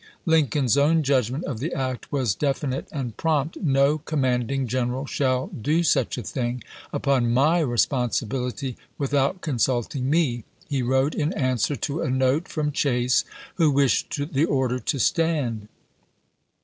Lincoln's own judgment of the act was definite and prompt. "No commanding general Warden, shall do such a thing, upon my responsibility, with sakiSfp. out consulting me," he wrote in answer to a note ^v^lzi. from Chase, who wished the order to stand.